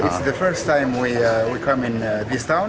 ini adalah pertama kali kami datang ke kota ini